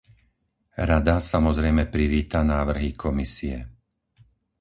Rada samozrejme privíta návrhy Komisie.